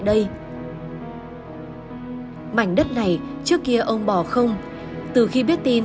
đừng có gí shouted